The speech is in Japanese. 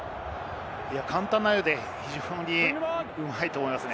簡単なようで非常にうまいと思いますね。